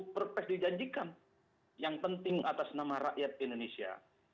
perpes dijanjikan yang penting atas nama rakyat indonesia